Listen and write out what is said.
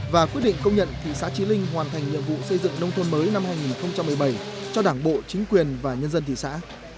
và quyết định công nhận thị xã trí linh hoàn thành nhiệm vụ xây dựng nông thôn mới năm hai nghìn một mươi bảy cho đảng bộ chính quyền và nhân dân thị xã